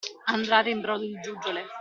Andare in brodo di giuggiole.